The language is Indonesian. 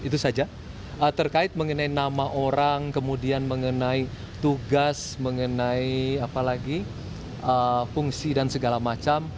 itu saja terkait mengenai nama orang kemudian mengenai tugas mengenai apalagi fungsi dan segala macam